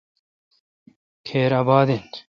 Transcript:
کھیر اباد این۔